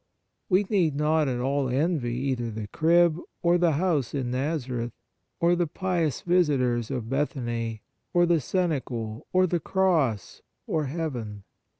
We need not at all envy either the Crib, or the house in Nazareth, or the pious visitors of Bethany, or the Cenacle, or the Cross, or Heaven.